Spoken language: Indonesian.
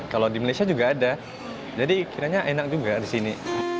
kalau di malaysia juga ada jadi kiranya enak juga di sini